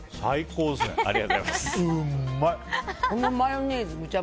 このマヨネーズ